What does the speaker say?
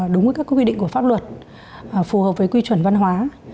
đúng với các quy định của pháp luật phù hợp với quy chuẩn văn hóa